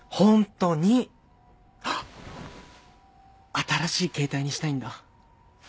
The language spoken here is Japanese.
新しい携帯にしたいんだ。